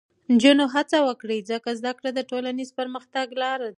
نجونې هڅه وکړي، ځکه زده کړه د ټولنیز پرمختګ لاره ده.